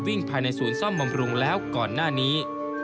ภายในศูนย์ซ่อมบำรุงแล้วก่อนหน้านี้